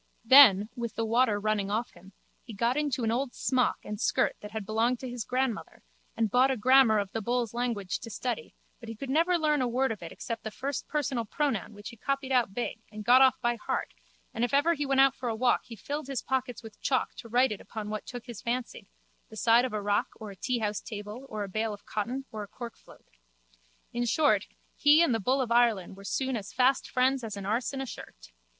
Then, with the water running off him, he got into an old smock and skirt that had belonged to his grandmother and bought a grammar of the bulls' language to study but he could never learn a word of it except the first personal pronoun which he copied out big and got off by heart and if ever he went out for a walk he filled his pockets with chalk to write it upon what took his fancy, the side of a rock or a teahouse table or a bale of cotton or a corkfloat. In short, he and the bull of Ireland were soon as fast friends as an arse and a shirt.